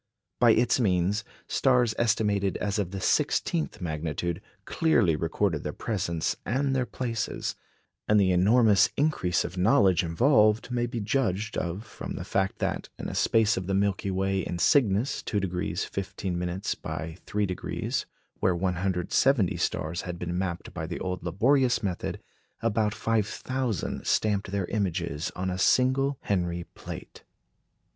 By its means stars estimated as of the sixteenth magnitude clearly recorded their presence and their places; and the enormous increase of knowledge involved may be judged of from the fact that, in a space of the Milky Way in Cygnus 2° 15' by 3°, where 170 stars had been mapped by the old laborious method, about five thousand stamped their images on a single Henry plate.